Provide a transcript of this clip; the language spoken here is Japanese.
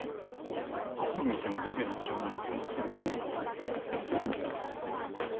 いやこの店のレベルの上物はそんなすぐ無理。